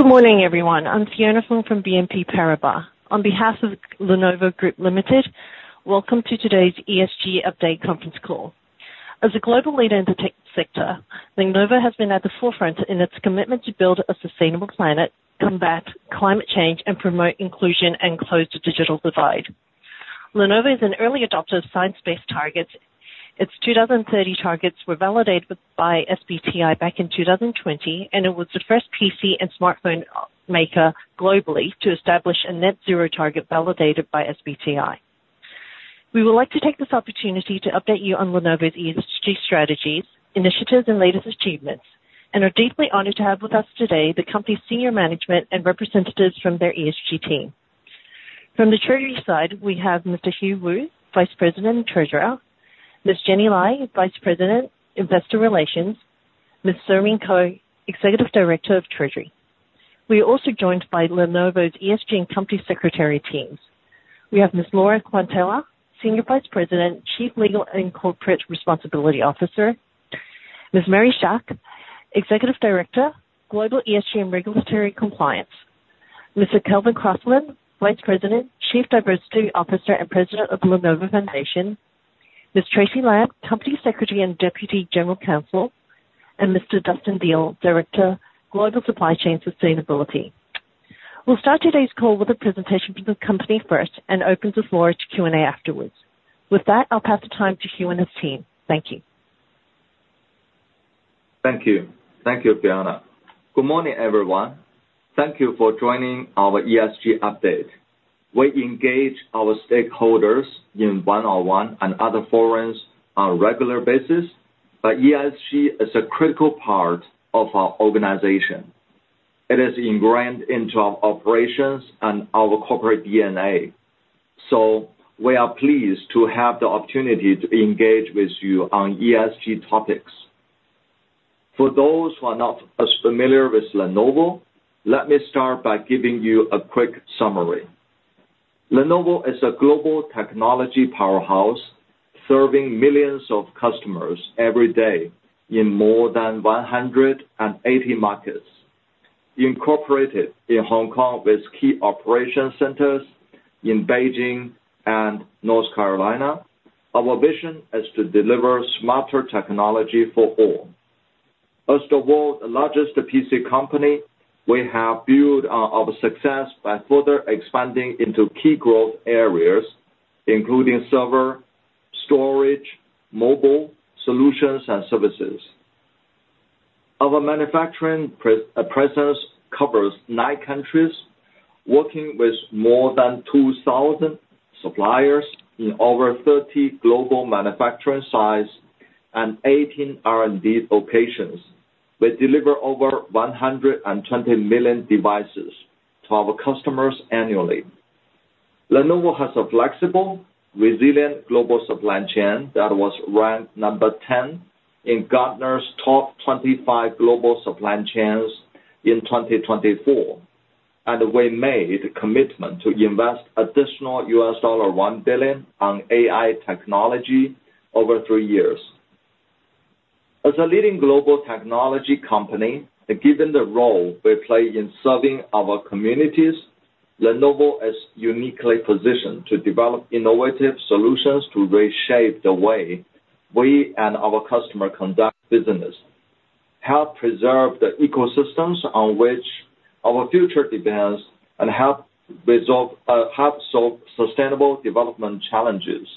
Good morning, everyone. I'm Fiona Fung from BNP Paribas. On behalf of Lenovo Group Limited, welcome to today's ESG Update conference call. As a global leader in the tech sector, Lenovo has been at the forefront in its commitment to build a sustainable planet, combat climate change, and promote inclusion and close the digital divide. Lenovo is an early adopter of science-based targets. Its 2030 targets were validated by SBTi back in 2020, and it was the first PC and smartphone maker globally to establish a net zero target validated by SBTi. We would like to take this opportunity to update you on Lenovo's ESG strategies, initiatives, and latest achievements, and are deeply honored to have with us today the company's senior management and representatives from their ESG team. From the treasury side, we have Mr. Hugh Wu, Vice President and Treasurer, Ms. Jenny Lai, Vice President, Investor Relations; Ms. Tsering Ko, Executive Director of Treasury. We are also joined by Lenovo's ESG and company secretary teams. We have Ms. Laura Quatela, Senior Vice President, Chief Legal and Corporate Responsibility Officer. Ms. Mary Schaack, Executive Director, Global ESG and Regulatory Compliance. Mr. Calvin Crossman, Vice President, Chief Diversity Officer, and President of Lenovo Foundation. Ms. Tracy Lai, Company Secretary and Deputy General Counsel, and Mr. Dustin Beal, Director, Global Supply Chain Sustainability. We'll start today's call with a presentation from the company first and open the floor to Q&A afterwards. With that, I'll pass the time to Hugh and his team. Thank you. Thank you. Thank you, Fiona. Good morning, everyone. Thank you for joining our ESG update. We engage our stakeholders in one-on-one and other forums on a regular basis, but ESG is a critical part of our organization. It is ingrained into our operations and our corporate DNA, so we are pleased to have the opportunity to engage with you on ESG topics. For those who are not as familiar with Lenovo, let me start by giving you a quick summary. Lenovo is a global technology powerhouse, serving millions of customers every day in more than 180 markets. Incorporated in Hong Kong, with key operation centers in Beijing and North Carolina, our vision is to deliver smarter technology for all. As the world's largest PC company, we have built our success by further expanding into key growth areas, including server, storage, mobile, solutions, and services. Our manufacturing presence covers nine countries, working with more than 2,000 suppliers in over 30 global manufacturing sites and 18 R&D locations. We deliver over 120 million devices to our customers annually. Lenovo has a flexible, resilient global supply chain that was ranked number 10 in Gartner's top 25 global supply chains in 2024, and we made a commitment to invest additional $1 billion on AI technology over three years. As a leading global technology company, and given the role we play in serving our communities, Lenovo is uniquely positioned to develop innovative solutions to reshape the way we and our customer conduct business, help preserve the ecosystems on which our future depends, and help resolve, help solve sustainable development challenges.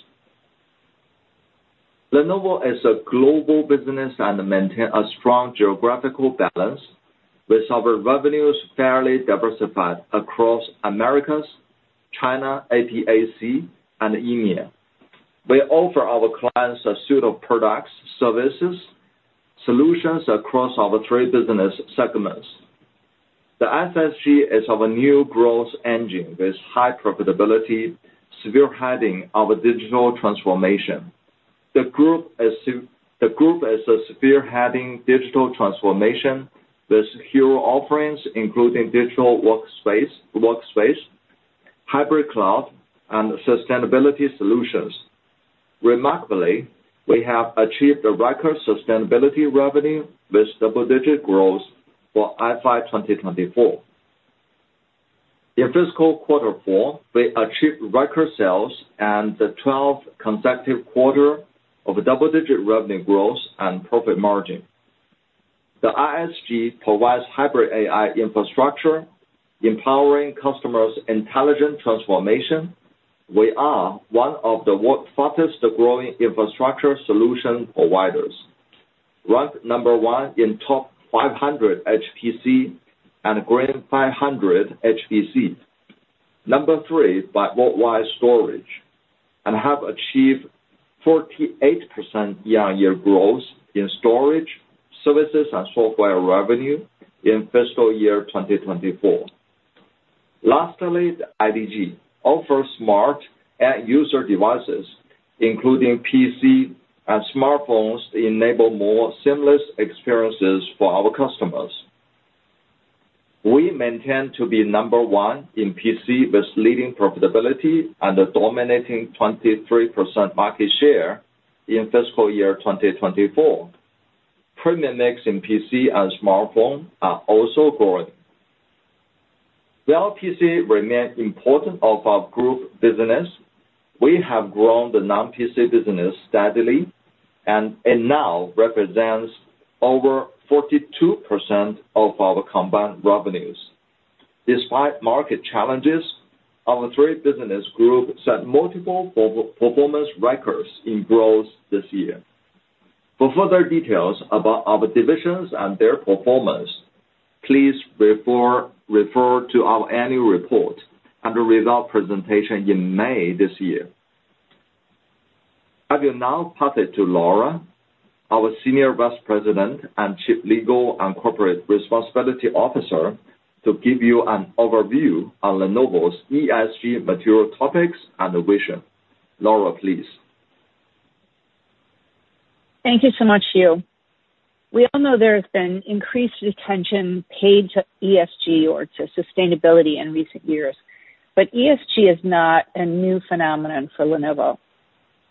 Lenovo is a global business and maintain a strong geographical balance, with our revenues fairly diversified across Americas, China, APAC, and EMEA. We offer our clients a suite of products, services, solutions across our three business segments. The SSG is our new growth engine, with high profitability, spearheading our digital transformation. The group is a spearheading digital transformation with secure offerings, including digital workspace, workspace, hybrid cloud, and sustainability solutions. Remarkably, we have achieved a record sustainability revenue with double-digit growth for FY 2024. In fiscal quarter four, we achieved record sales and the 12 consecutive quarter of double-digit revenue growth and profit margin. The ISG provides hybrid AI infrastructure, empowering customers' intelligent transformation. We are one of the world's fastest growing infrastructure solution providers. Ranked number one in top 500 HPC and Green500 HPC. Number three by worldwide storage, and have achieved 48% year-on-year growth in storage, services, and software revenue in fiscal year 2024. Lastly, IDG offers smart end user devices, including PC and smartphones, to enable more seamless experiences for our customers. We maintain to be number one in PC with leading profitability and a dominating 23% market share in fiscal year 2024. Premium mix in PC and smartphone are also growing. While PC remains important of our group business, we have grown the non-PC business steadily and it now represents over 42% of our combined revenues. Despite market challenges, our [three business group] set multiple performance records in growth this year. For further details about our divisions and their performance, please refer to our annual report and the result presentation in May this year. I will now pass it to Laura, our Senior Vice President and Chief Legal and Corporate Responsibility Officer, to give you an overview on Lenovo's ESG material topics and vision. Laura, please. Thank you so much, Hugh. We all know there has been increased attention paid to ESG or to sustainability in recent years, but ESG is not a new phenomenon for Lenovo.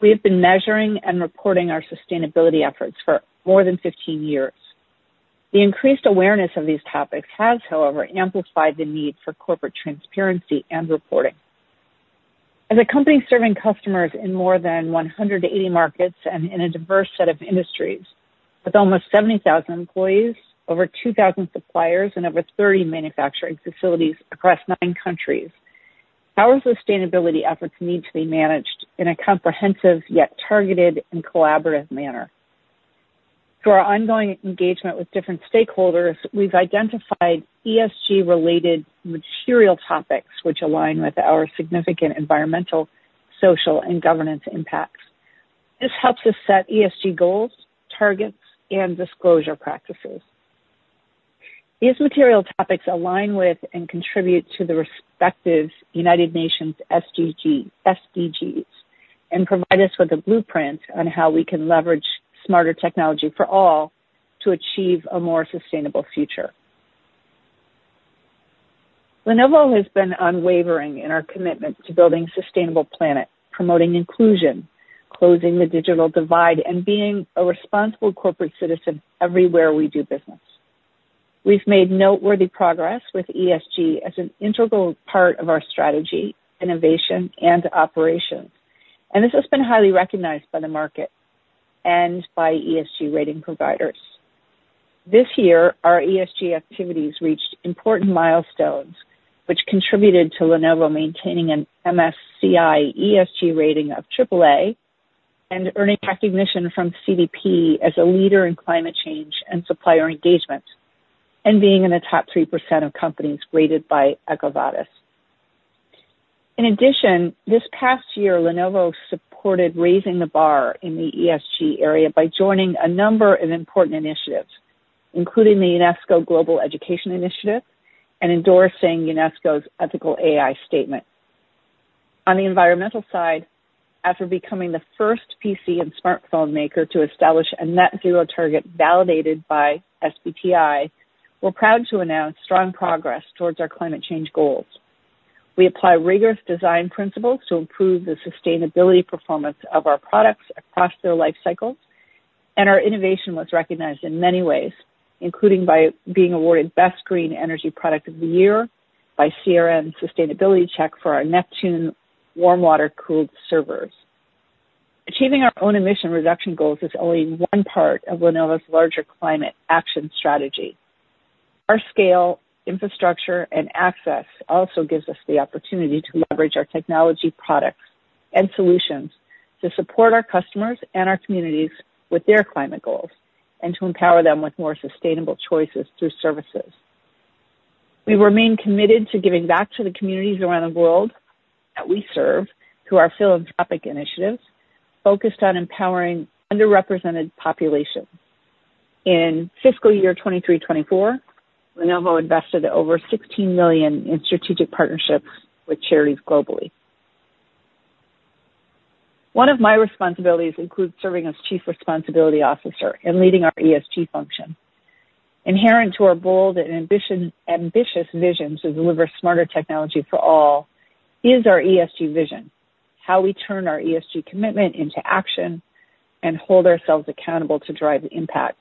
We have been measuring and reporting our sustainability efforts for more than 15 years. The increased awareness of these topics has, however, amplified the need for corporate transparency and reporting. As a company serving customers in more than 180 markets and in a diverse set of industries, with almost 70,000 employees, over 2,000 suppliers, and over 30 manufacturing facilities across nine countries, our sustainability efforts need to be managed in a comprehensive, yet targeted and collaborative manner. Through our ongoing engagement with different stakeholders, we've identified ESG-related material topics which align with our significant environmental, social, and governance impacts. This helps us set ESG goals, targets, and disclosure practices. These material topics align with and contribute to the respective United Nations SDG, SDGs, and provide us with a blueprint on how we can leverage smarter technology for all to achieve a more sustainable future. Lenovo has been unwavering in our commitment to building a sustainable planet, promoting inclusion, closing the digital divide, and being a responsible corporate citizen everywhere we do business. We've made noteworthy progress with ESG as an integral part of our strategy, innovation, and operations, and this has been highly recognized by the market and by ESG rating providers. This year, our ESG activities reached important milestones, which contributed to Lenovo maintaining an MSCI ESG rating of triple A and earning recognition from CDP as a leader in climate change and supplier engagement, and being in the top 3% of companies rated by EcoVadis. In addition, this past year, Lenovo supported raising the bar in the ESG area by joining a number of important initiatives, including the UNESCO Global Education Initiative and endorsing UNESCO's Ethical AI Statement. On the environmental side, after becoming the first PC and smartphone maker to establish a net zero target validated by SBTi, we're proud to announce strong progress towards our climate change goals. We apply rigorous design principles to improve the sustainability performance of our products across their life cycles, and our innovation was recognized in many ways, including by being awarded Best Green Energy Product of the Year by CRN Sustainability Check for our Neptune warm water-cooled servers. Achieving our own emission reduction goals is only one part of Lenovo's larger climate action strategy. Our scale, infrastructure, and access also gives us the opportunity to leverage our technology products and solutions to support our customers and our communities with their climate goals, and to empower them with more sustainable choices through services. We remain committed to giving back to the communities around the world that we serve through our philanthropic initiatives, focused on empowering underrepresented populations. In fiscal year 2023,2024, Lenovo invested over $16 million in strategic partnerships with charities globally. One of my responsibilities includes serving as Chief Responsibility Officer and leading our ESG function. Inherent to our bold and ambitious vision to deliver smarter technology for all is our ESG vision, how we turn our ESG commitment into action and hold ourselves accountable to drive impact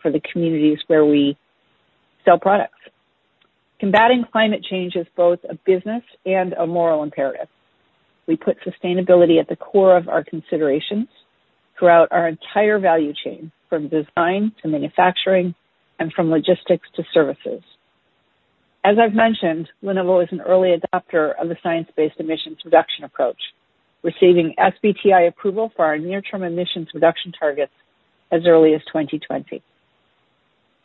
for the communities where we sell products. Combating climate change is both a business and a moral imperative. We put sustainability at the core of our considerations throughout our entire value chain, from design to manufacturing, and from logistics to services. As I've mentioned, Lenovo is an early adopter of the science-based emissions reduction approach, receiving SBTi approval for our near-term emissions reduction targets as early as 2020.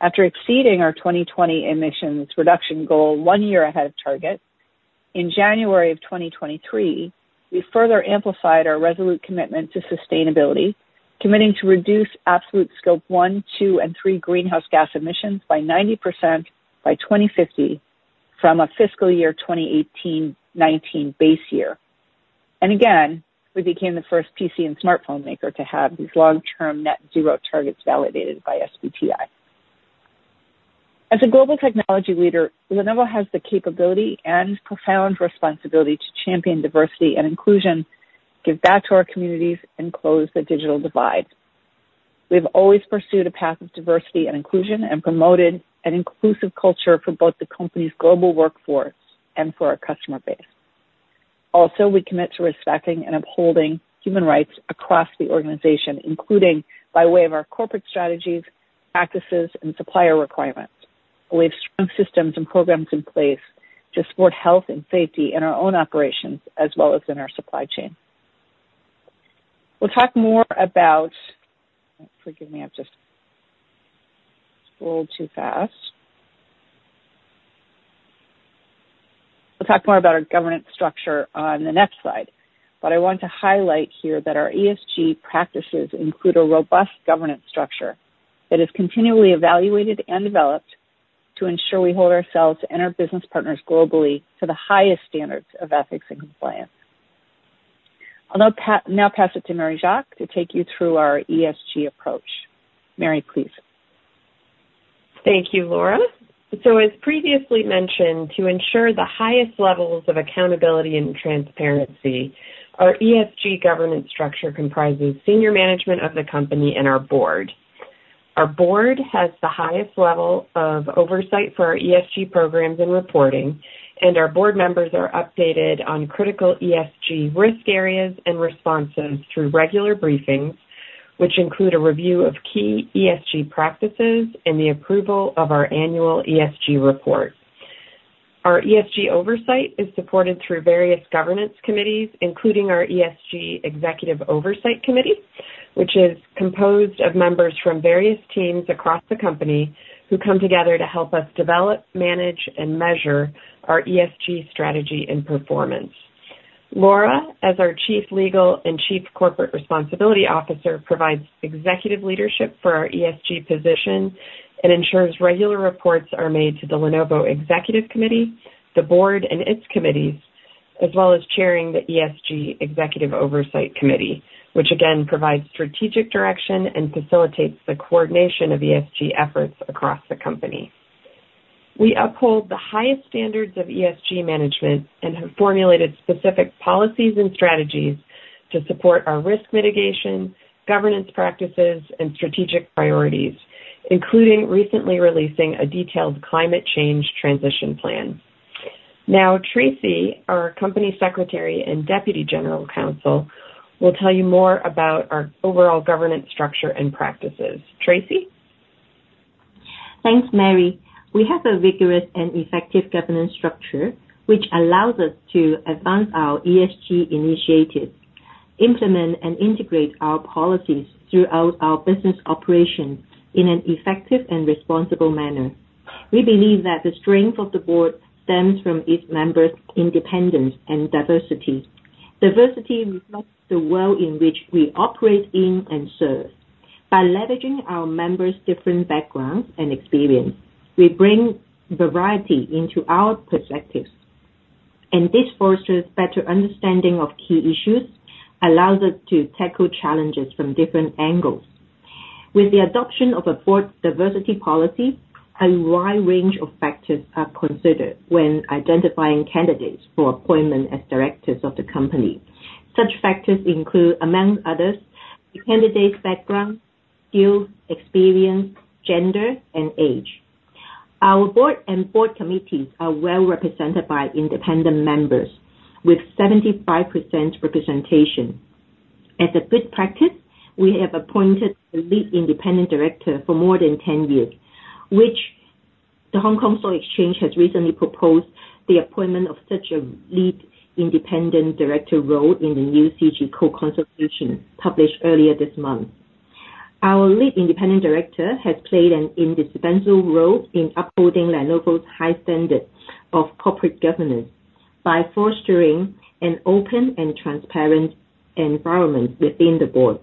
After exceeding our 2020 emissions reduction goal one year ahead of target, in January of 2023, we further amplified our resolute commitment to sustainability, committing to reduce absolute Scope one, two and three greenhouse gas emissions by 90% by 2050 from a fiscal year 2018-2019 base year. And again, we became the first PC and smartphone maker to have these long-term net zero targets validated by SBTi. As a global technology leader, Lenovo has the capability and profound responsibility to champion diversity and inclusion, give back to our communities, and close the digital divide. We've always pursued a path of diversity and inclusion and promoted an inclusive culture for both the company's global workforce and for our customer base. Also, we commit to respecting and upholding human rights across the organization, including by way of our corporate strategies, practices, and supplier requirements. We have strong systems and programs in place to support health and safety in our own operations, as well as in our supply chain. We'll talk more about. Forgive me, I've just scrolled too fast. We'll talk more about our governance structure on the next slide, but I want to highlight here that our ESG practices include a robust governance structure that is continually evaluated and developed to ensure we hold ourselves and our business partners globally to the highest standards of ethics and compliance. I'll now pass it to Mary Schaack to take you through our ESG approach. Mary, please. Thank you, Laura. As previously mentioned, to ensure the highest levels of accountability and transparency, our ESG governance structure comprises senior management of the company and our board. Our board has the highest level of oversight for our ESG programs and reporting, and our board members are updated on critical ESG risk areas and responses through regular briefings, which include a review of key ESG practices and the approval of our annual ESG report. Our ESG oversight is supported through various governance committees, including our ESG Executive Oversight Committee, which is composed of members from various teams across the company who come together to help us develop, manage, and measure our ESG strategy and performance. Laura, as our Chief Legal and Corporate Responsibility Officer, provides executive leadership for our ESG position and ensures regular reports are made to the Lenovo Executive Committee, the board and its committees, as well as chairing the ESG Executive Oversight Committee, which again, provides strategic direction and facilitates the coordination of ESG efforts across the company. We uphold the highest standards of ESG management and have formulated specific policies and strategies to support our risk mitigation, governance practices, and strategic priorities, including recently releasing a detailed climate change transition plan. Now, Tracy, our Company Secretary and Deputy General Counsel, will tell you more about our overall governance structure and practices. Tracy? Thanks, Mary. We have a rigorous and effective governance structure, which allows us to advance our ESG initiatives, implement and integrate our policies throughout our business operations in an effective and responsible manner. We believe that the strength of the board stems from its members' independence and diversity. Diversity reflects the world in which we operate in and serve. By leveraging our members' different backgrounds and experience, we bring variety into our perspectives, and this fosters better understanding of key issues, allows us to tackle challenges from different angles. With the adoption of a board diversity policy, a wide range of factors are considered when identifying candidates for appointment as directors of the company. Such factors include, among others, the candidate's background, skills, experience, gender, and age. Our board and board committees are well represented by independent members, with 75% representation. As a good practice, we have appointed a lead independent director for more than 10 years, which the Hong Kong Stock Exchange has recently proposed the appointment of such a lead independent director role in the new CG Code consultation published earlier this month. Our lead independent director has played an indispensable role in upholding Lenovo's high standards of corporate governance by fostering an open and transparent environment within the board,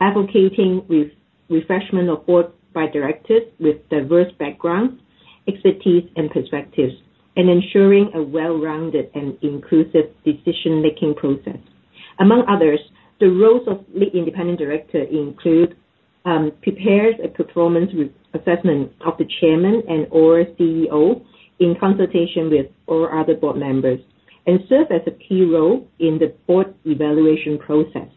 advocating refreshment of board by directors with diverse backgrounds, expertise, and perspectives, and ensuring a well-rounded and inclusive decision-making process. Among others, the roles of lead independent director include prepares a performance reassessment of the chairman and or CEO in consultation with all other board members, and serves as a key role in the board evaluation process.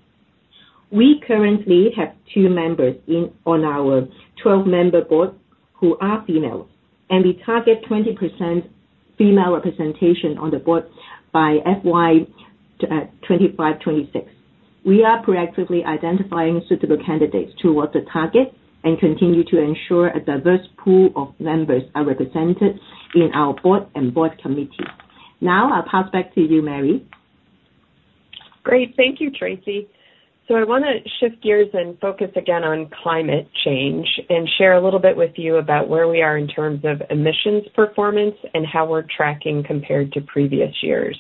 We currently have two members in, on our 12-member board who are female, and we target 20% female representation on the board by FY 2025,2026. We are proactively identifying suitable candidates towards the target and continue to ensure a diverse pool of members are represented in our board and board committee. Now, I'll pass back to you, Mary. Great. Thank you, Tracy. So I want to shift gears and focus again on climate change and share a little bit with you about where we are in terms of emissions performance and how we're tracking compared to previous years.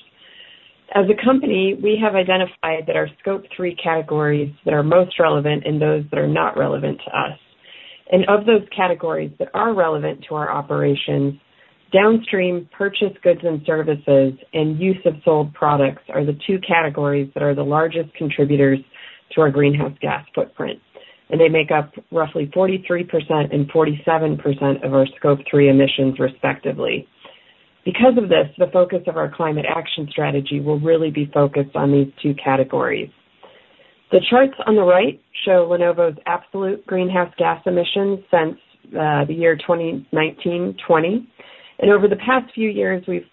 As a company, we have identified that our Scope three categories that are most relevant and those that are not relevant to us, and of those categories that are relevant to our operations. Downstream purchase goods and services and use of sold products are the two categories that are the largest contributors to our greenhouse gas footprint, and they make up roughly 43% and 47% of our Scope three emissions, respectively. Because of this, the focus of our climate action strategy will really be focused on these two categories. The charts on the right show Lenovo's absolute greenhouse gas emissions since the year 2019-2020, and over the past few years, we've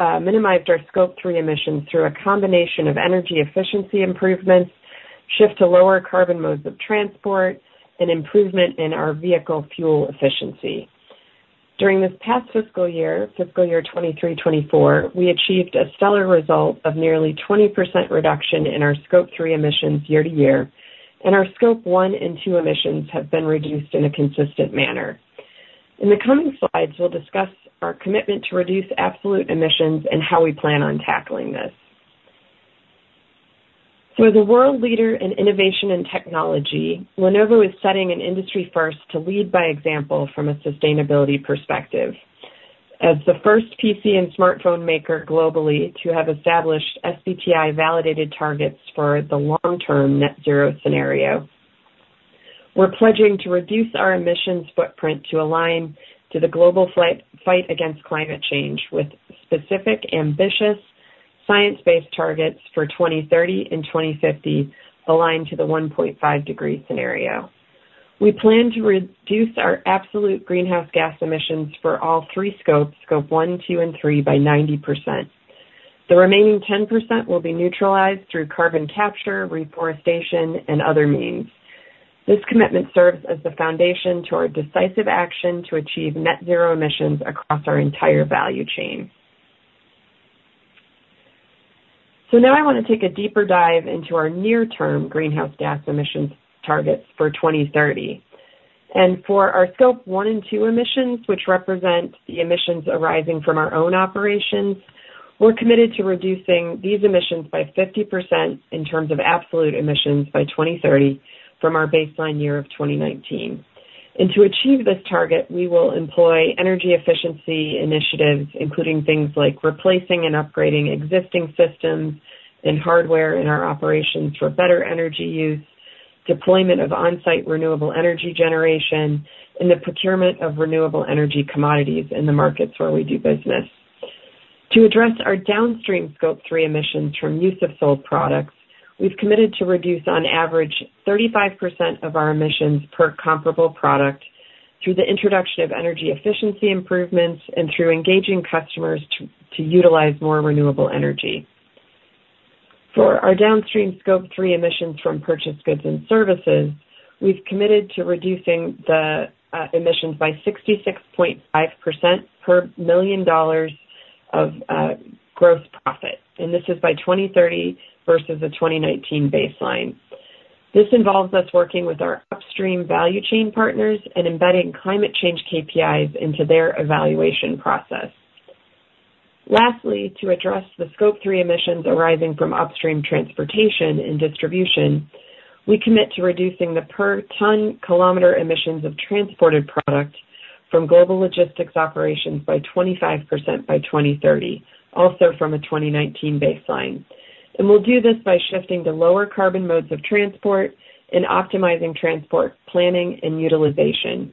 minimized our Scope three emissions through a combination of energy efficiency improvements, shift to lower carbon modes of transport, and improvement in our vehicle fuel efficiency. During this past fiscal year, fiscal year 2023-2024, we achieved a stellar result of nearly 20% reduction in our Scope three emissions year to year, and our Scope one and two emissions have been reduced in a consistent manner. In the coming slides, we'll discuss our commitment to reduce absolute emissions and how we plan on tackling this. For the world leader in innovation and technology, Lenovo is setting an industry first to lead by example from a sustainability perspective. As the first PC and smartphone maker globally to have established SBTi validated targets for the long-term net zero scenario, we're pledging to reduce our emissions footprint to align to the global fight against climate change, with specific, ambitious, science-based targets for 2030 and 2050, aligned to the 1.5 degree scenario. We plan to reduce our absolute greenhouse gas emissions for all three scopes, Scope one, two and three, by 90%. The remaining 10% will be neutralized through carbon capture, reforestation, and other means. This commitment serves as the foundation to our decisive action to achieve net zero emissions across our entire value chain. So now I want to take a deeper dive into our near-term greenhouse gas emissions targets for 2030. For our Scope one and two emissions, which represent the emissions arising from our own operations, we're committed to reducing these emissions by 50% in terms of absolute emissions by 2030 from our baseline year of 2019. To achieve this target, we will employ energy efficiency initiatives, including things like replacing and upgrading existing systems and hardware in our operations for better energy use, deployment of on-site renewable energy generation, and the procurement of renewable energy commodities in the markets where we do business. To address our downstream Scope three emissions from use of sold products, we've committed to reduce, on average, 35% of our emissions per comparable product through the introduction of energy efficiency improvements and through engaging customers to utilize more renewable energy. For our downstream Scope three emissions from purchased goods and services, we've committed to reducing the emissions by 66.5% per $1 million of gross profit, and this is by 2030 versus the 2019 baseline. This involves us working with our upstream value chain partners and embedding climate change KPIs into their evaluation process. Lastly, to address the Scope three emissions arising from upstream transportation and distribution, we commit to reducing the per ton kilometer emissions of transported product from global logistics operations by 25% by 2030, also from a 2019 baseline. And we'll do this by shifting to lower carbon modes of transport and optimizing transport planning and utilization.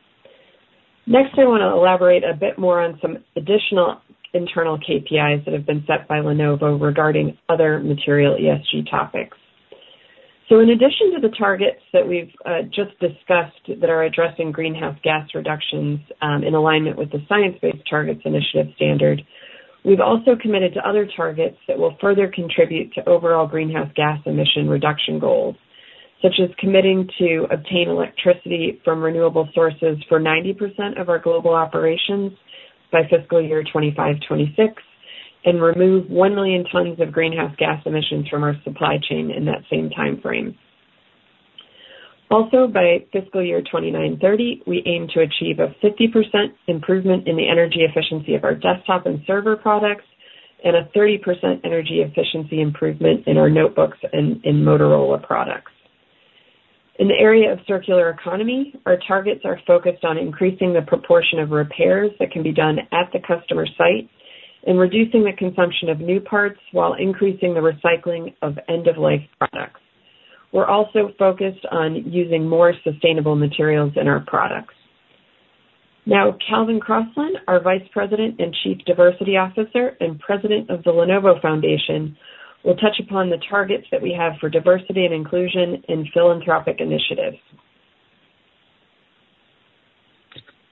Next, I want to elaborate a bit more on some additional internal KPIs that have been set by Lenovo regarding other material ESG topics. So in addition to the targets that we've just discussed that are addressing greenhouse gas reductions, in alignment with the Science Based Targets Initiative standard, we've also committed to other targets that will further contribute to overall greenhouse gas emission reduction goals, such as committing to obtain electricity from renewable sources for 90% of our global operations by fiscal year 2025-2026, and remove 1 million tons of greenhouse gas emissions from our supply chain in that same time frame. Also, by fiscal year 2029-2030, we aim to achieve a 50% improvement in the energy efficiency of our desktop and server products, and a 30% energy efficiency improvement in our notebooks and in Motorola products. In the area of circular economy, our targets are focused on increasing the proportion of repairs that can be done at the customer site and reducing the consumption of new parts while increasing the recycling of end-of-life products. We're also focused on using more sustainable materials in our products. Now, Calvin Crossman, our Vice President and Chief Diversity Officer and President of the Lenovo Foundation, will touch upon the targets that we have for diversity and inclusion in philanthropic initiatives.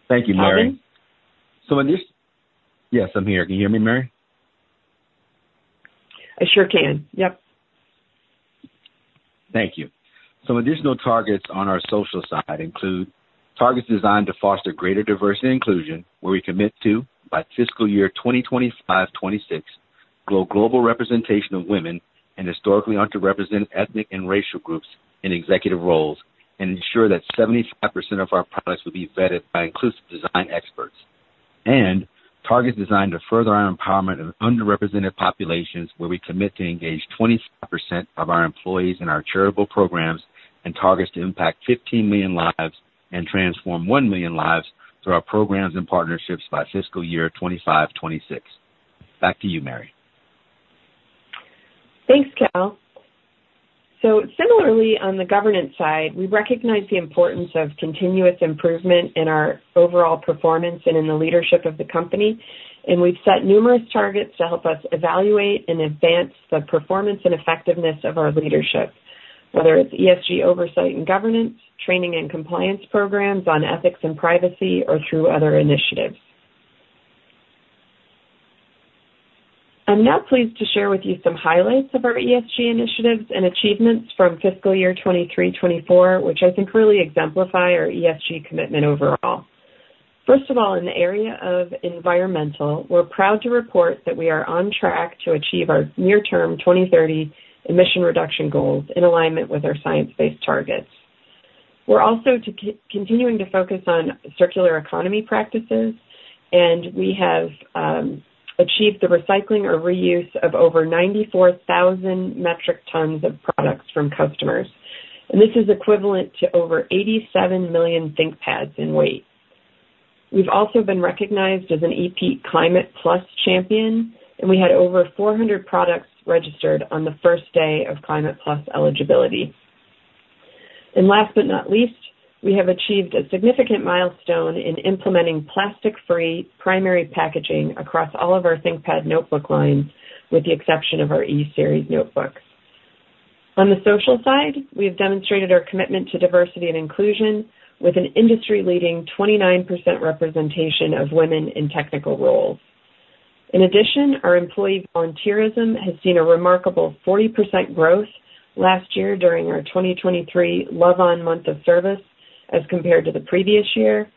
Thank you, Mary. Yes, I'm here. Can you hear me, Mary? I sure can. Yep. Thank you. Some additional targets on our social side include targets designed to foster greater diversity inclusion, where we commit to, by fiscal year 2025-2026, grow global representation of women and historically underrepresented ethnic and racial groups in executive roles, and ensure that 75% of our products will be vetted by inclusive design experts. Targets designed to further our empowerment of underrepresented populations, where we commit to engage 25% of our employees in our charitable programs and targets to impact 15 million lives and transform 1 million lives through our programs and partnerships by fiscal year 2025-2026. Back to you, Mary. Thanks, Cal. So similarly, on the governance side, we recognize the importance of continuous improvement in our overall performance and in the leadership of the company, and we've set numerous targets to help us evaluate and advance the performance and effectiveness of our leadership, whether it's ESG oversight and governance, training and compliance programs on ethics and privacy, or through other initiatives. I'm now pleased to share with you some highlights of our ESG initiatives and achievements from fiscal year 2023-2024, which I think really exemplify our ESG commitment overall. First of all, in the area of environmental, we're proud to report that we are on track to achieve our near-term, 2030 emission reduction goals in alignment with our science-based targets. We're also continuing to focus on circular economy practices, and we have achieved the recycling or reuse of over 94,000 t of products from customers. And this is equivalent to over 87 million ThinkPads in weight. We've also been recognized as an EPEAT Climate+ champion, and we had over 400 products registered on the first day of Climate+ eligibility. And last but not least, we have achieved a significant milestone in implementing plastic-free primary packaging across all of our ThinkPad notebook lines, with the exception of our E Series notebooks. On the social side, we have demonstrated our commitment to diversity and inclusion with an industry-leading 29% representation of women in technical roles. In addition, our employee volunteerism has seen a remarkable 40% growth last year during our 2023 Love On Month of Service as compared to the previous year,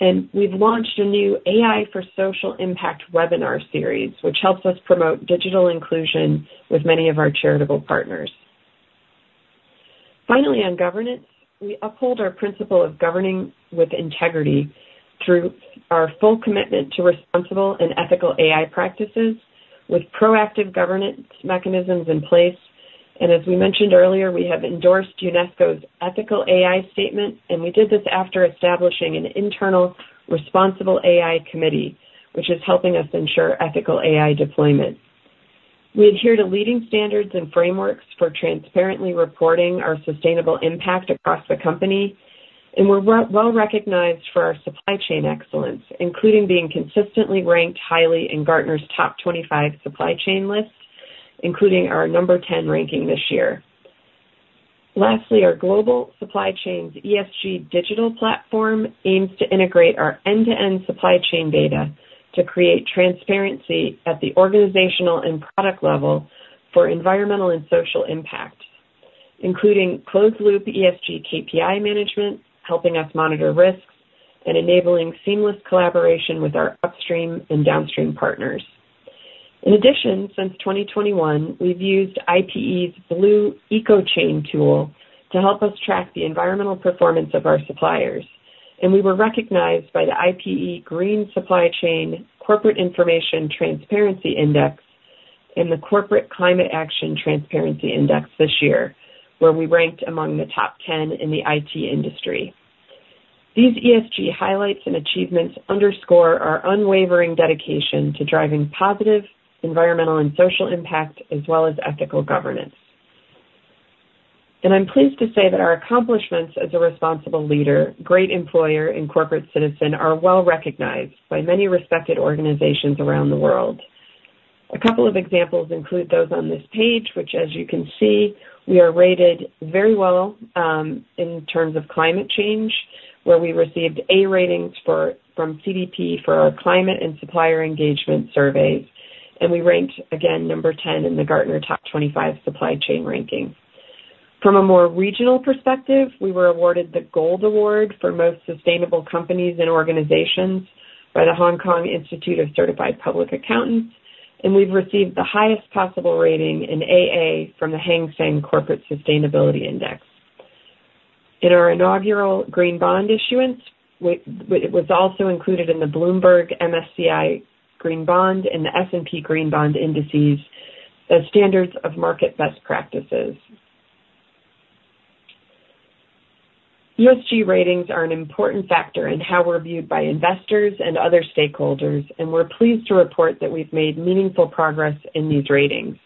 and we've launched a new AI for Social Impact webinar series, which helps us promote digital inclusion with many of our charitable partners. Finally, on governance, we uphold our principle of governing with integrity through our full commitment to responsible and ethical AI practices with proactive governance mechanisms in place. And as we mentioned earlier, we have endorsed UNESCO's Ethical AI Statement, and we did this after establishing an internal responsible AI committee, which is helping us ensure ethical AI deployment. We adhere to leading standards and frameworks for transparently reporting our sustainable impact across the company, and we're well recognized for our supply chain excellence, including being consistently ranked highly in Gartner's top 25 supply chain list, including our number 10 ranking this year. Lastly, our global supply chain's ESG digital platform aims to integrate our end-to-end supply chain data to create transparency at the organizational and product level for environmental and social impact, including closed loop ESG KPI management, helping us monitor risks, and enabling seamless collaboration with our upstream and downstream partners. In addition, since 2021, we've used IPE's Blue EcoChain tool to help us track the environmental performance of our suppliers, and we were recognized by the IPE Green Supply Chain Corporate Information Transparency Index and the Corporate Climate Action Transparency Index this year, where we ranked among the top 10 in the IT industry. These ESG highlights and achievements underscore our unwavering dedication to driving positive environmental and social impact, as well as ethical governance. I'm pleased to say that our accomplishments as a responsible leader, great employer, and corporate citizen, are well recognized by many respected organizations around the world. A couple of examples include those on this page, which, as you can see, we are rated very well, in terms of climate change, where we received A ratings from CDP for our climate and supplier engagement surveys, and we ranked again, number 10 in the Gartner top 25 supply chain ranking. From a more regional perspective, we were awarded the Gold Award for most sustainable companies and organizations by the Hong Kong Institute of Certified Public Accountants, and we've received the highest possible rating in AA from the Hang Seng Corporate Sustainability Index. In our inaugural green bond issuance, it was also included in the Bloomberg MSCI Green Bond and the S&P Green Bond Indices as standards of market best practices. ESG ratings are an important factor in how we're viewed by investors and other stakeholders, and we're pleased to report that we've made meaningful progress in these ratings.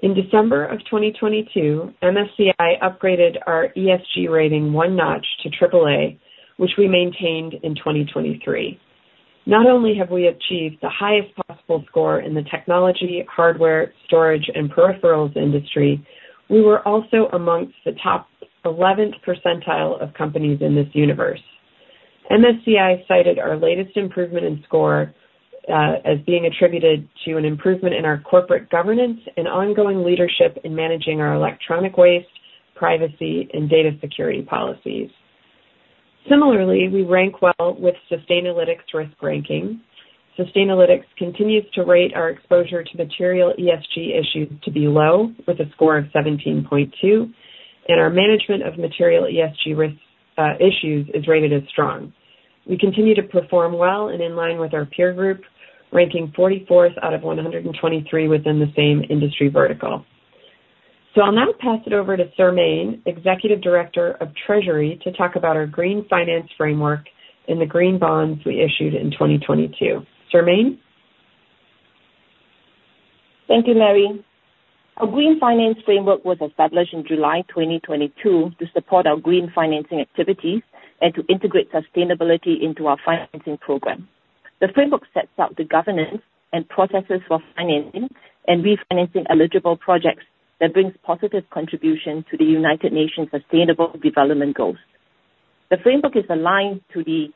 In December of 2022, MSCI upgraded our ESG rating one notch to AAA, which we maintained in 2023. Not only have we achieved the highest possible score in the technology, hardware, storage, and peripherals industry, we were also amongst the top 11th percentile of companies in this universe. MSCI cited our latest improvement in score as being attributed to an improvement in our corporate governance and ongoing leadership in managing our electronic waste, privacy, and data security policies. Similarly, we rank well with Sustainalytics risk ranking. Sustainalytics continues to rate our exposure to material ESG issues to be low, with a score of 17.2, and our management of material ESG risks, issues is rated as strong. We continue to perform well and in line with our peer group, ranking 44th out of 123 within the same industry vertical. So I'll now pass it over to Tsering, Executive Director of Treasury, to talk about our green finance framework and the green bonds we issued in 2022. Tsering? Thank you, Mary. Our green finance framework was established in July 2022 to support our green financing activities and to integrate sustainability into our financing program. The framework sets out the governance and processes for financing and refinancing eligible projects that brings positive contribution to the United Nations Sustainable Development Goals. The framework is aligned to the,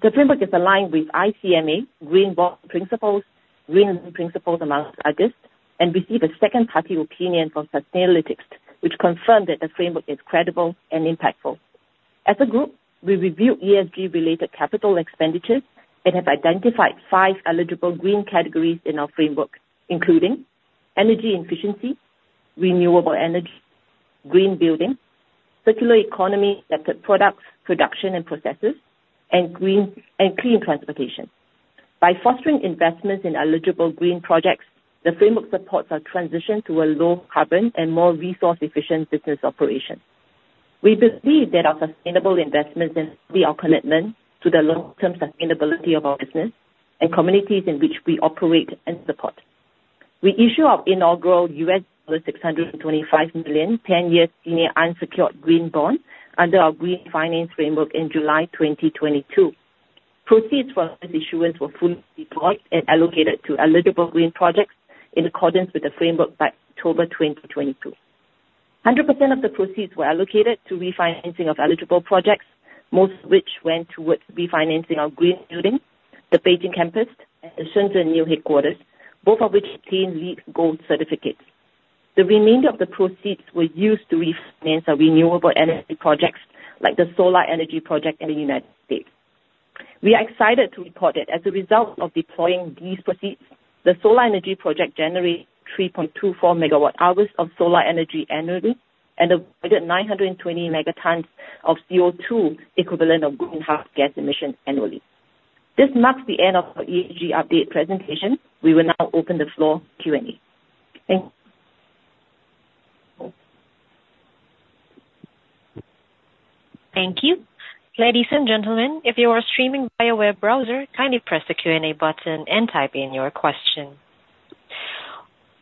the framework is aligned with ICMA Green Bond Principles, Green Principles, amongst others, and receive a second-party opinion from Sustainalytics, which confirmed that the framework is credible and impactful. As a group, we reviewed ESG-related capital expenditures and have identified five eligible green categories in our framework, including energy efficiency, renewable energy, green building, circular economy sector products, production and processes, and green and clean transportation. By fostering investments in eligible green projects, the framework supports our transition to a low-carbon and more resource-efficient business operation. We believe that our sustainable investments and our commitment to the long-term sustainability of our business and communities in which we operate and support. We issue our inaugural $625 million ten-year senior unsecured green bond under our Green Finance Framework in July 2022. Proceeds from this issuance were fully deployed and allocated to eligible green projects in accordance with the framework by October 2022. 100% of the proceeds were allocated to refinancing of eligible projects, most of which went towards refinancing our green building, the Beijing campus and the Shenzhen new headquarters, both of which obtained LEED Gold certificates. The remainder of the proceeds were used to refinance our renewable energy projects, like the solar energy project in the United States. We are excited to report that as a result of deploying these proceeds, the solar energy project generates 3.24 MWh of solar energy annually and avoided 920 Mt of CO2 equivalent of greenhouse gas emissions annually. This marks the end of our ESG update presentation. We will now open the floor Q&A. Thank you. Thank you. Ladies and gentlemen, if you are streaming via web browser, kindly press the Q&A button and type in your question.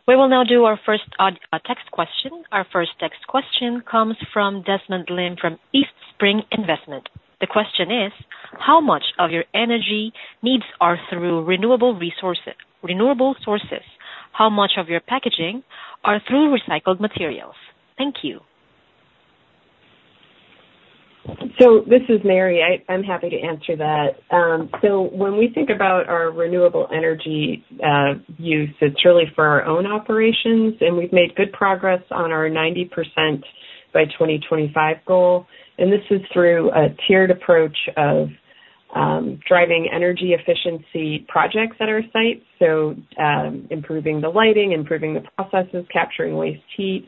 We will now do our first Q&A text question. Our first text question comes from Desmond Lim, from Eastspring Investments. The question is: How much of your energy needs are through renewable resources, renewable sources? How much of your packaging are through recycled materials? Thank you. So this is Mary. I'm happy to answer that. So when we think about our renewable energy use, it's really for our own operations, and we've made good progress on our 90% by 2025 goal. This is through a tiered approach of driving energy efficiency projects at our site. So, improving the lighting, improving the processes, capturing waste heat,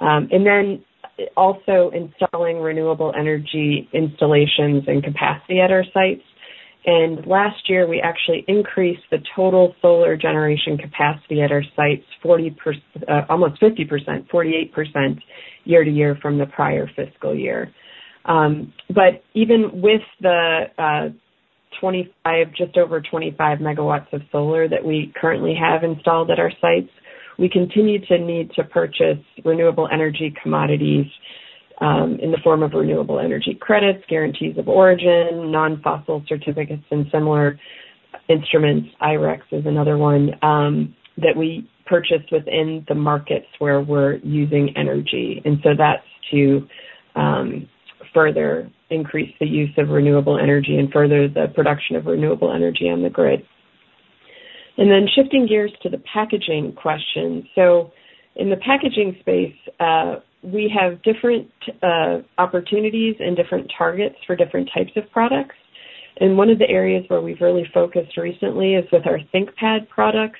and then also installing renewable energy installations and capacity at our sites. And last year, we actually increased the total solar generation capacity at our sites, almost 50%, 48% year-over-year from the prior fiscal year. But even with the 25, just over 25 MW of solar that we currently have installed at our sites, we continue to need to purchase renewable energy commodities in the form of renewable energy credits, guarantees of origin, non-fossil certificates and similar instruments. I-RECs is another one that we purchase within the markets where we're using energy, and so that's to further increase the use of renewable energy and further the production of renewable energy on the grid. And then shifting gears to the packaging question. So in the packaging space, we have different opportunities and different targets for different types of products. And one of the areas where we've really focused recently is with our ThinkPad products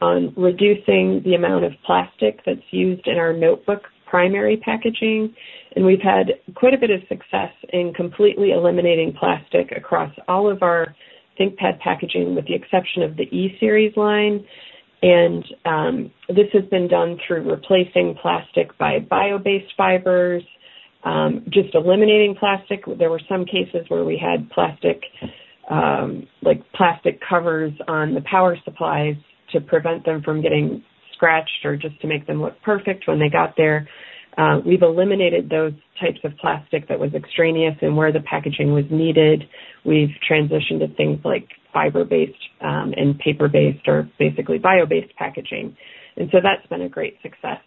on reducing the amount of plastic that's used in our notebook primary packaging. And we've had quite a bit of success in completely eliminating plastic across all of our ThinkPad packaging, with the exception of the E Series line. And, this has been done through replacing plastic by bio-based fibers, just eliminating plastic. There were some cases where we had plastic, like plastic covers on the power supplies to prevent them from getting scratched or just to make them look perfect when they got there. We've eliminated those types of plastic that was extraneous, and where the packaging was needed, we've transitioned to things like fiber-based, and paper-based or basically bio-based packaging. And so that's been a great success,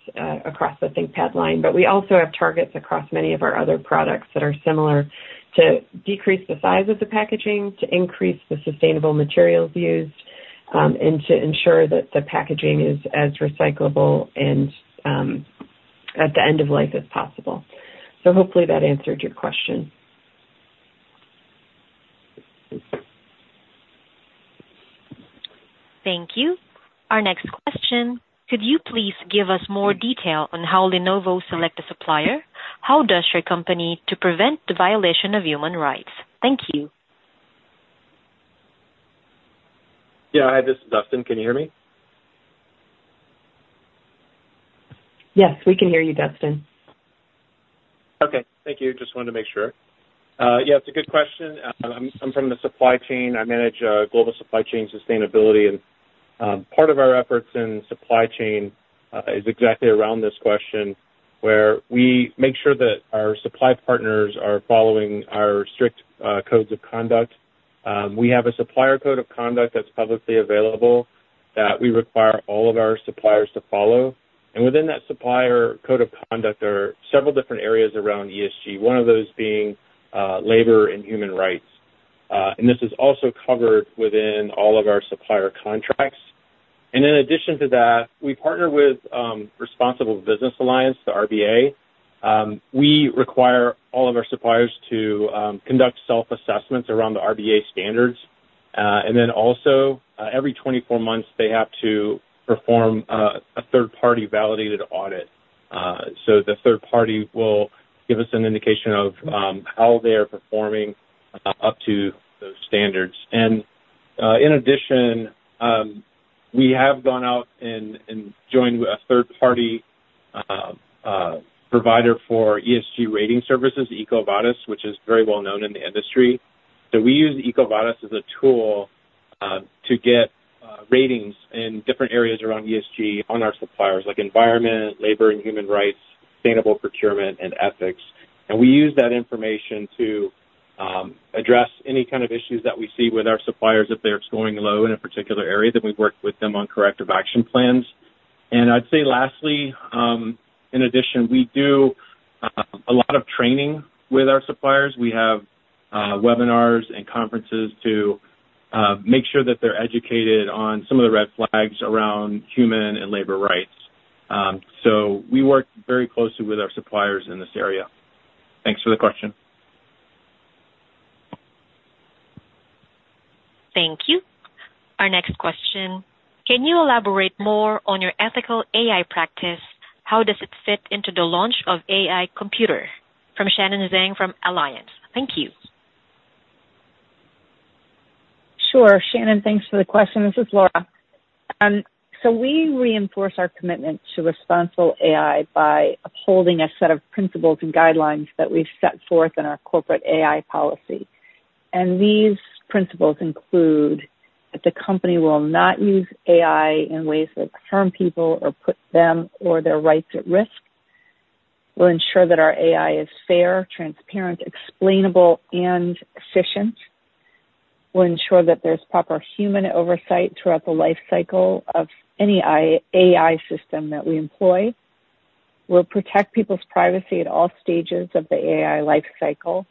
across the ThinkPad line. We also have targets across many of our other products that are similar, to decrease the size of the packaging, to increase the sustainable materials used, and to ensure that the packaging is as recyclable and at the end of life as possible. Hopefully that answered your question. Thank you. Our next question: Could you please give us more detail on how Lenovo select a supplier? How does your company to prevent the violation of human rights? Thank you. Yeah. Hi, this is Dustin. Can you hear me? Yes, we can hear you, Dustin. Okay. Thank you. Just wanted to make sure. Yeah, it's a good question. I'm from the supply chain. I manage global supply chain sustainability, and part of our efforts in supply chain is exactly around this question, where we make sure that our supply partners are following our strict codes of conduct. We have a supplier code of conduct that's publicly available, that we require all of our suppliers to follow. Within that supplier code of conduct, there are several different areas around ESG, one of those being labor and human rights. And this is also covered within all of our supplier contracts. In addition to that, we partner with Responsible Business Alliance, the RBA. We require all of our suppliers to conduct self-assessments around the RBA standards. And then also, every 24 months, they have to perform a third-party validated audit. So the third-party will give us an indication of how they are performing up to those standards. And in addition, we have gone out and joined with a third-party provider for ESG rating services, EcoVadis, which is very well known in the industry. So we use EcoVadis as a tool to get ratings in different areas around ESG on our suppliers, like environment, labor and human rights, sustainable procurement, and ethics. And we use that information to address any kind of issues that we see with our suppliers. If they're scoring low in a particular area, then we've worked with them on corrective action plans. And I'd say lastly, in addition, we do a lot of training with our suppliers. We have webinars and conferences to make sure that they're educated on some of the red flags around human and labor rights. So we work very closely with our suppliers in this area. Thanks for the question. Thank you. Our next question: Can you elaborate more on your ethical AI practice? How does it fit into the launch of AI computer? From Shannon Zhang, from Alliance. Thank you. Sure. Shannon, thanks for the question. This is Laura. So we reinforce our commitment to responsible AI by upholding a set of principles and guidelines that we've set forth in our corporate AI policy. And these principles include that the company will not use AI in ways that harm people or put them or their rights at risk. We'll ensure that our AI is fair, transparent, explainable, and efficient. We'll ensure that there's proper human oversight throughout the life cycle of any AI system that we employ. We'll protect people's privacy at all stages of the AI life cycle,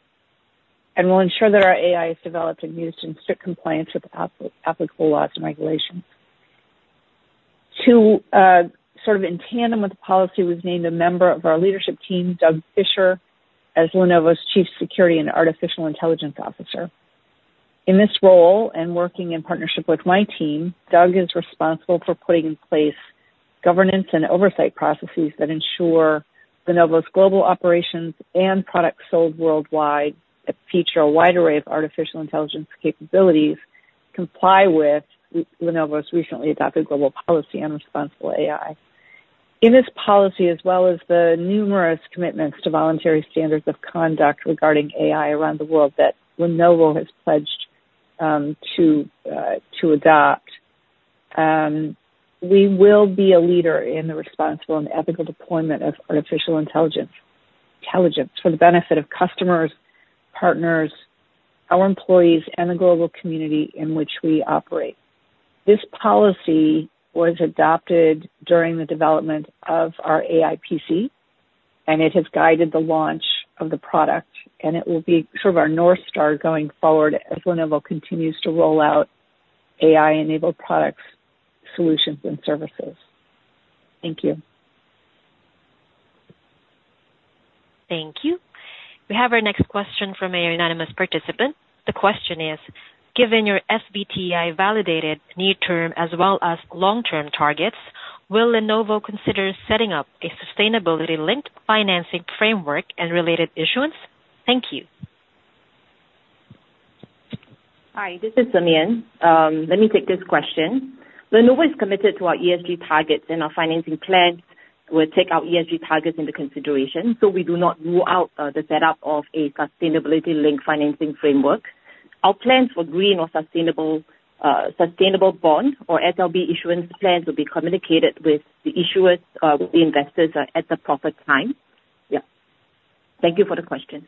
and we'll ensure that our AI is developed and used in strict compliance with the applicable laws and regulations. To sort of in tandem with the policy, we've named a member of our leadership team, Doug Fisher, as Lenovo's Chief Security and Artificial Intelligence Officer. In this role and working in partnership with my team, Doug is responsible for putting in place governance and oversight processes that ensure Lenovo's global operations and products sold worldwide that feature a wide array of artificial intelligence capabilities comply with Lenovo's recently adopted global policy on responsible AI. In this policy, as well as the numerous commitments to voluntary standards of conduct regarding AI around the world that Lenovo has pledged to adopt, we will be a leader in the responsible and ethical deployment of artificial intelligence for the benefit of customers, partners, our employees, and the global community in which we operate. This policy was adopted during the development of our AI PC, and it has guided the launch of the product, and it will be sort of our North Star going forward as Lenovo continues to roll out AI-enabled products, solutions, and services. Thank you. Thank you. We have our next question from an anonymous participant. The question is: Given your SBTi validated near-term as well as long-term targets, will Lenovo consider setting up a sustainability-linked financing framework and related issuance? Thank you. Hi, this is [Tsering Ko]. Let me take this question. Lenovo is committed to our ESG targets, and our financing plans will take our ESG targets into consideration, so we do not rule out the setup of a sustainability-linked financing framework. Our plans for green or sustainable sustainable bond or SLB issuance plans will be communicated with the issuers with the investors at the proper time. Yeah. Thank you for the question.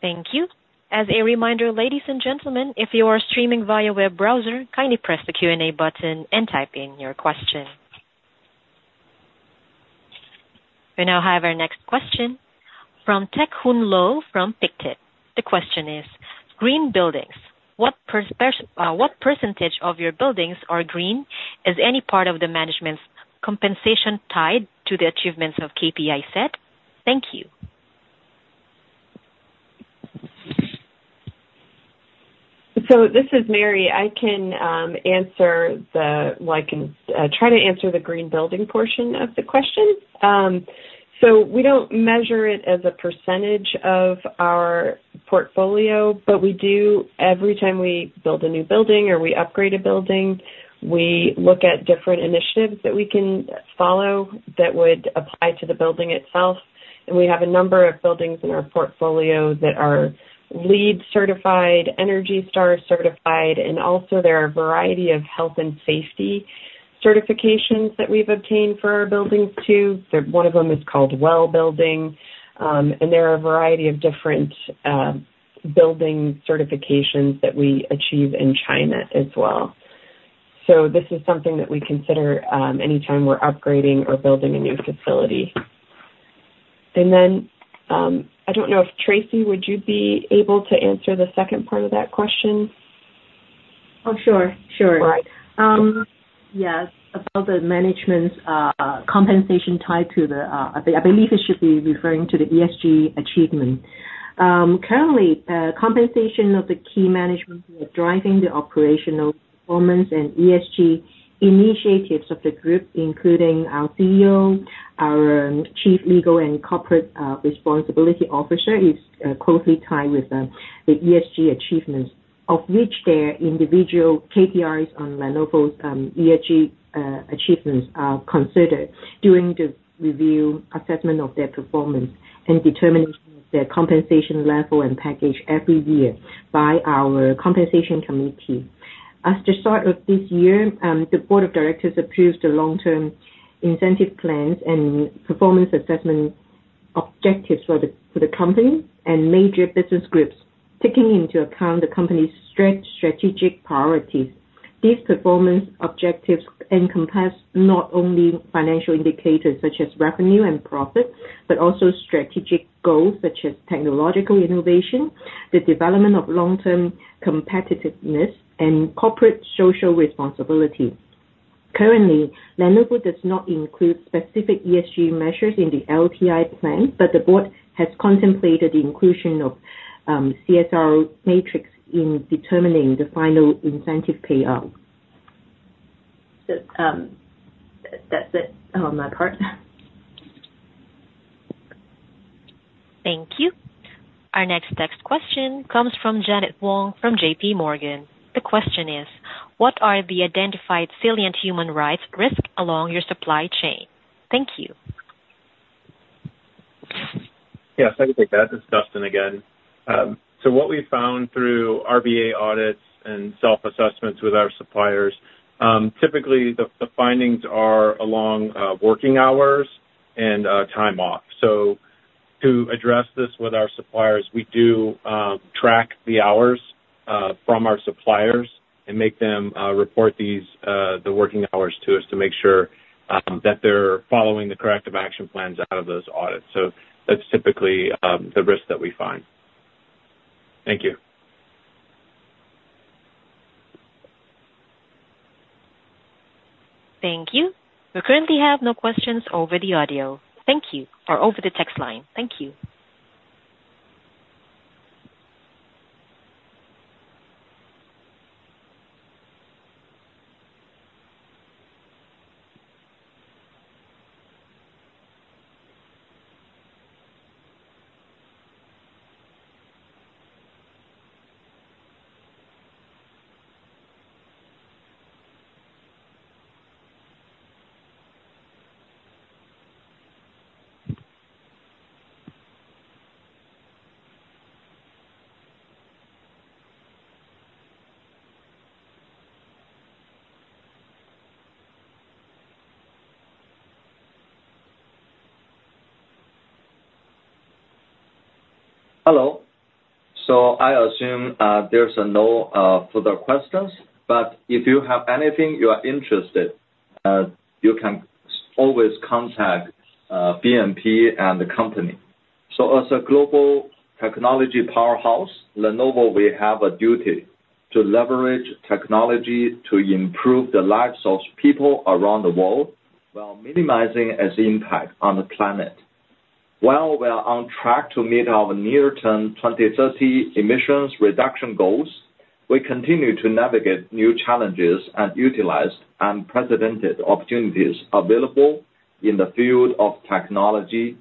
Thank you. As a reminder, ladies and gentlemen, if you are streaming via web browser, kindly press the Q&A button and type in your question. We now have our next question from Teck Hun Lo from Pictet. The question is: Green buildings.... What percentage of your buildings are green? Is any part of the management's compensation tied to the achievements of KPI set? Thank you. So this is Mary. I can answer the, well, I can try to answer the green building portion of the question. So we don't measure it as a percentage of our portfolio, but we do every time we build a new building or we upgrade a building, we look at different initiatives that we can follow that would apply to the building itself. And we have a number of buildings in our portfolio that are LEED certified, Energy Star certified, and also there are a variety of health and safety certifications that we've obtained for our buildings, too. One of them is called WELL Building, and there are a variety of different building certifications that we achieve in China as well. So this is something that we consider anytime we're upgrading or building a new facility. Then, I don't know if, Tracy, would you be able to answer the second part of that question? Oh, sure, sure. All right. Yes. About the management's compensation tied to the, I believe it should be referring to the ESG achievement. Currently, compensation of the key management who are driving the operational performance and ESG initiatives of the group, including our CEO, our Chief Legal and Corporate Responsibility Officer, is closely tied with the ESG achievements, of which their individual KPIs on Lenovo's ESG achievements are considered during the review assessment of their performance, and determination of their compensation level and package every year by our Compensation Committee. At the start of this year, the Board of Directors approved the long-term incentive plans and performance assessment objectives for the company and major business groups, taking into account the company's strategic priorities. These performance objectives encompass not only financial indicators such as revenue and profits, but also strategic goals such as technological innovation, the development of long-term competitiveness, and corporate social responsibility. Currently, Lenovo does not include specific ESG measures in the LTI plan, but the board has contemplated the inclusion of CSR matrix in determining the final incentive payout. So, that's it on my part. Thank you. Our next text question comes from Janet Wong from J.P. Morgan. The question is: What are the identified salient human rights risk along your supply chain? Thank you. Yes, I can take that. It's Dustin again. So what we found through RBA audits and self-assessments with our suppliers, typically the findings are along working hours and time off. So to address this with our suppliers, we do track the hours from our suppliers and make them report these working hours to us to make sure that they're following the corrective action plans out of those audits. So that's typically the risk that we find. Thank you. Thank you. We currently have no questions over the audio. Thank you for over the text line. Thank you. Hello. I assume there's no further questions, but if you have anything you are interested, you can always contact BNP and the company. As a global technology powerhouse, Lenovo, we have a duty to leverage technology to improve the lives of people around the world while minimizing its impact on the planet. While we are on track to meet our near-term 2030 emissions reduction goals, we continue to navigate new challenges and utilize unprecedented opportunities available in the field of technology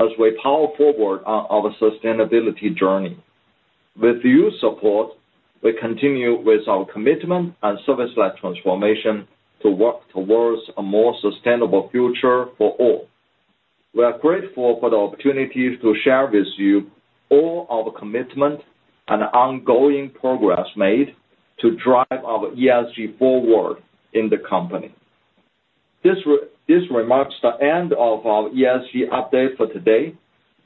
as we power forward on our sustainability journey. With your support, we continue with our commitment and service-led transformation to work towards a more sustainable future for all. We are grateful for the opportunity to share with you all our commitment and ongoing progress made to drive our ESG forward in the company. This remarks the end of our ESG update for today.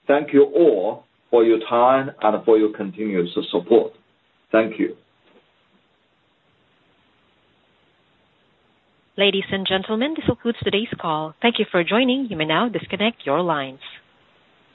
Thank you all for your time and for your continuous support. Thank you. Ladies and gentlemen, this concludes today's call. Thank you for joining. You may now disconnect your lines.